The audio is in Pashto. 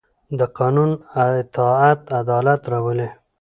د قانون اطاعت عدالت راولي